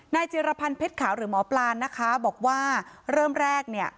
จิรพันธ์เพชรขาวหรือหมอปลานนะคะบอกว่าเริ่มแรกเนี่ย